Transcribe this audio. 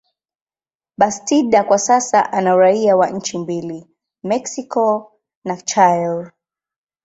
Bastida kwa sasa ana uraia wa nchi mbili, Mexico na Chile.